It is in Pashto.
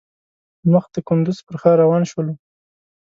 مخ د کندوز پر ښار روان شولو.